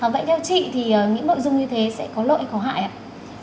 vậy theo chị thì những nội dung như thế sẽ có lợi hay có hại ạ